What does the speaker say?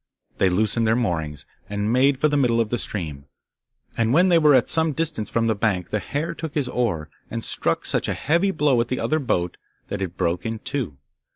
They loosened their moorings, and made for the middle of the stream, and when they were at some distance from the bank, the hare took his oar, and struck such a heavy blow at the other boat, that it broke in two.